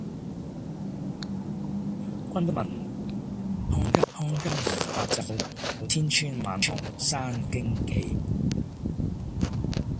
君不聞，漢家山東二百州，千村萬落生荊杞！